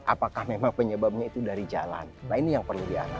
apakah memang penyebabnya itu dari jalan nah ini yang perlu dialami